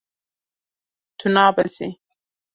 Tu nabezî.